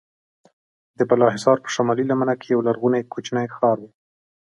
د بالاحصار په شمالي لمنه کې یو لرغونی کوچنی ښار و.